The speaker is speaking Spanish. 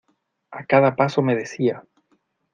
A cada paso me decía.